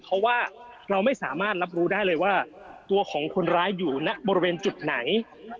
เพราะว่าเราไม่สามารถรับรู้ได้เลยว่าตัวของคนร้ายอยู่ณบริเวณจุดไหน